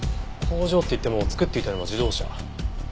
工場っていっても作っていたのは自動車。